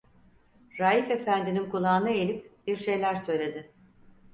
Raif efendinin kulağına eğilip bir şeyler söyledi.